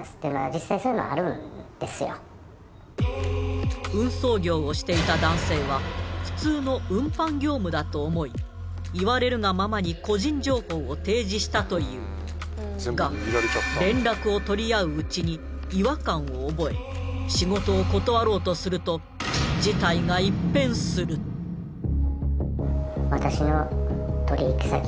実際そういうのあるんですよ運送業をしていた男性は普通の運搬業務だと思い言われるがままに個人情報を提示したというがを覚え仕事を断ろうとするとことがありましてね